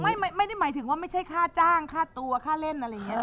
ไม่ได้หมายถึงว่าไม่ใช่ค่าจ้างค่าตัวค่าเล่นอะไรอย่างนี้